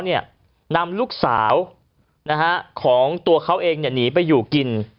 นำลูกสาวของตัวเขาเองหนีไปอยู่กิน